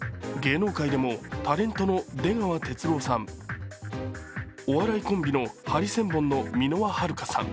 芸能界でもタレントの出川哲朗さん、お笑いコンビのハリセンボンの箕輪はるかさん